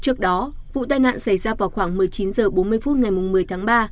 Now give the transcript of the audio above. trước đó vụ tai nạn xảy ra vào khoảng một mươi chín h bốn mươi phút ngày một mươi tháng ba